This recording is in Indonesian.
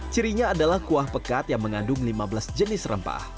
cirinya adalah kuah pekat yang mengandung lima belas jenis rempah